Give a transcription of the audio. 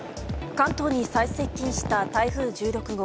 関東に最接近した台風１６号。